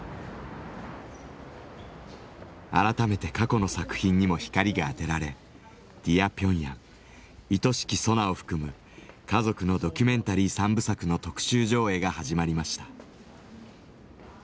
改めて過去の作品にも光が当てられ「ディア・ピョンヤン」「愛しきソナ」を含む家族のドキュメンタリー三部作の特集上映が始まりました。